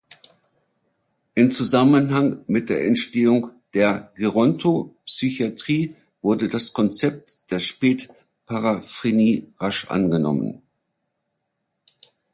In Zusammenhang mit der Entstehung der Gerontopsychiatrie wurde das Konzept der Spät-Paraphrenie rasch angenommen.